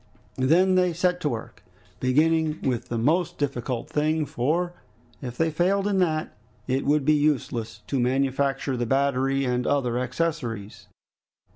They then set to work, beginning with the most difficult thing, for, if they failed in that, it would be useless to manufacture the battery and other accessories.